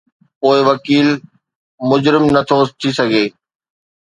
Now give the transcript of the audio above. پوءِ وڪيل مجرم نٿو ٿي سگهي؟